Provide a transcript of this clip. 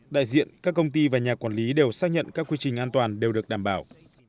đại diện các công ty và nhà quản lý đều xác nhận các quy trình an toàn đều được đảm bảo